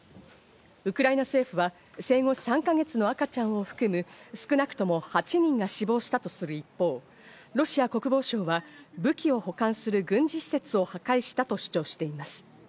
ウクライナ政府は生後３ヶ月の赤ちゃんも含む、少なくとも８人が死亡したとする一方、ロシア国防省は武器を保管する軍事施設を破壊したと主張しています。